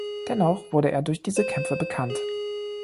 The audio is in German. Dennoch wurde er durch diese Kämpfe bekannt.